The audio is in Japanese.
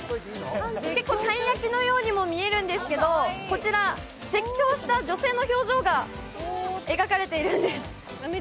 たい焼きのようにも見えるんですがこちら、絶叫した女性の表情が描かれているんです。